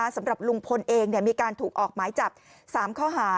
สำหรับลุงพลเองมีการถูกออกหมายจับ๓ข้อหา